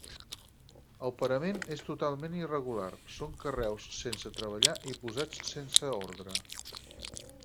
El parament és totalment irregular, són carreus sense treballar i posats sense ordre.